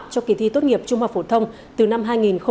cho kỳ thi tốt nghiệp trung học phổ thông từ năm hai nghìn hai mươi